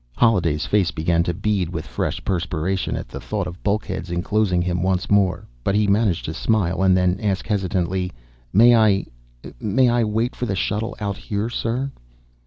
Holliday's face began to bead with fresh perspiration at the thought of bulkheads enclosing him once more, but he managed to smile, and then ask, hesitantly: "May I ... may I wait for the shuttle out here, sir?"